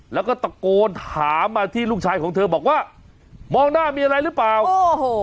แล้วก็ตะโกนถามมาที่ลูกชายของเธอบอกว่ามองหน้ามีอะไรหรือเปล่าโอ้โห